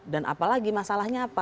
dan apalagi masalahnya apa